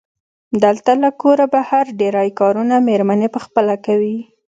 دلته له کوره بهر ډېری کارونه مېرمنې پخپله کوي.